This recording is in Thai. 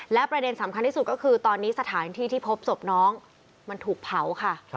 และประเด็นสำคัญที่สุดก็คือตอนนี้สถานที่ที่พบศพน้องมันถูกเผาค่ะ